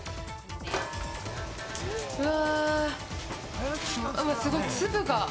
うわ！